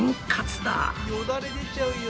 よだれ出ちゃうよ。